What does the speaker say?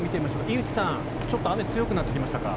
居内さん、ちょっと雨が強くなってきましたか。